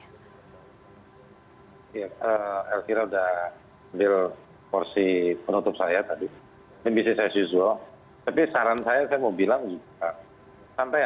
ya saya kira sudah ambil porsi penutup saya tadi